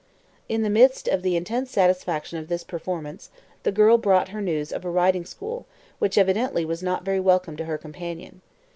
In the midst of the intense satisfaction of this performance, the girl brought her news of a riding school, which evidently was not very welcome to her companion.